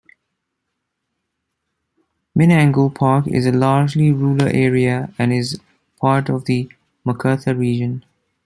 Menangle Park is a largely rural area and is part of the Macarthur region.